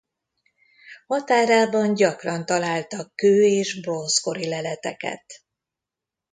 Határában gyakran találtak kő- és bronzkori leleteket.